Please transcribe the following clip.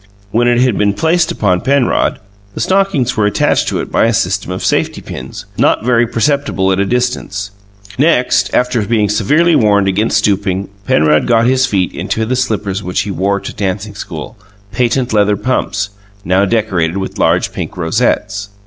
When it had been placed upon Penrod, the stockings were attached to it by a system of safety pins, not very perceptible at a distance. Next, after being severely warned against stooping, Penrod got his feet into the slippers he wore to dancing school "patent leather pumps" now decorated with large pink rosettes.